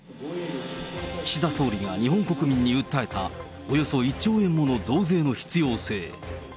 岸田総理が日本国民に訴えた、およそ１兆円もの増税の必要性。